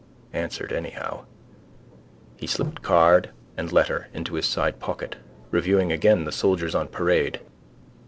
Answered anyhow. He slipped card and letter into his sidepocket, reviewing again the soldiers on parade.